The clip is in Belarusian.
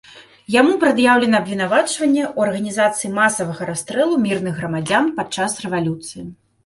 Яму прад'яўлена абвінавачванне ў арганізацыі масавага расстрэлу мірных грамадзян падчас рэвалюцыі.